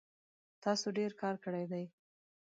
تاسو ډیر کار کړی دی